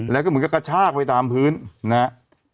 แล้วก็เหมือนกับกระชากไปตามพื้นนะฮะ